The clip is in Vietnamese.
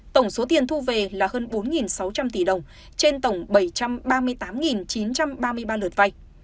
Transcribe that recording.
tổng số tiền thu về là hơn bốn sáu trăm linh tỷ đồng trên tổng bảy trăm ba mươi tám chín trăm ba mươi ba lượt vay